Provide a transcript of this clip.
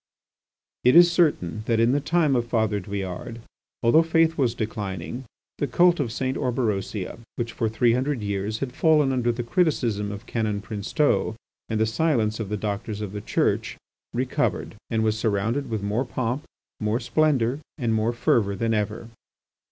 It is certain that in the time of Father Douillard, although faith was declining, the cult of St. Orberosia, which for three hundred years had fallen under the criticism of Canon Princeteau and the silence of the Doctors of the Church, recovered, and was surrounded with more pomp, more splendour, and more fervour than ever.